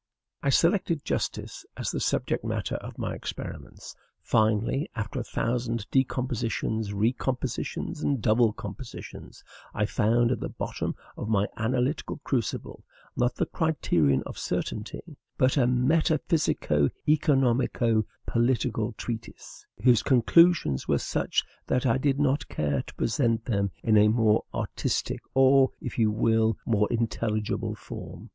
I selected justice as the subject matter of my experiments. Finally, after a thousand decompositions, recompositions, and double compositions, I found at the bottom of my analytical crucible, not the criterion of certainty, but a metaphysico economico political treatise, whose conclusions were such that I did not care to present them in a more artistic or, if you will, more intelligible form.